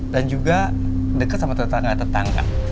dan juga deket sama tetangga